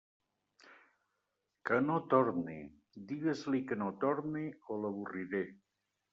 Que no torne: digues-li que no torne, o l'avorriré.